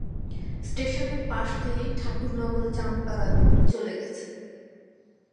স্টেশনের পাশ দিয়েই ঠাকুরনগর-চাঁদপাড়া রোড চলে গেছে।